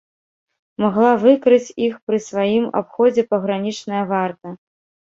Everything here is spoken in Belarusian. Магла выкрыць іх пры сваім абходзе пагранічная варта.